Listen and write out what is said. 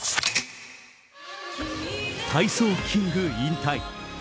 体操キング引退。